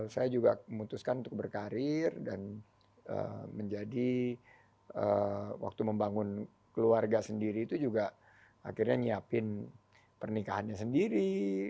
saya juga memutuskan untuk berkarir dan menjadi waktu membangun keluarga sendiri itu juga akhirnya nyiapin pernikahannya sendiri